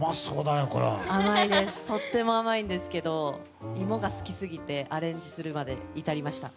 とっても甘いんですけど芋が好きすぎてアレンジするまでに至りました。